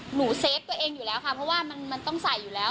เซฟตัวเองอยู่แล้วค่ะเพราะว่ามันต้องใส่อยู่แล้ว